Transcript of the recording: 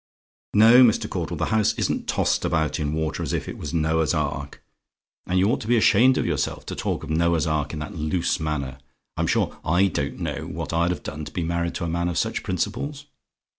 "No, Mr. Caudle; the house isn't tossed about in water as if it was Noah's Ark. And you ought to be ashamed of yourself to talk of Noah's Ark in that loose manner. I'm sure I don't know what I've done to be married to a man of such principles.